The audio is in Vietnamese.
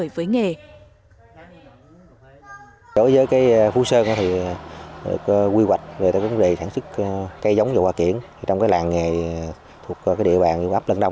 và rất vui vẻ